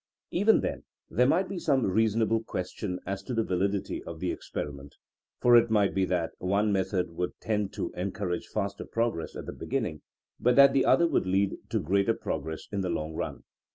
Even then there might be some reasonable ques tion as to the validity of the experiment, for it might be that one method would tend to en courage faster progress at the beginning, but that the other would lead to greater progress in the long run.